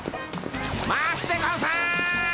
待つでゴンス！